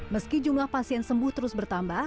meski jumlah pasien sembuh terus bertambah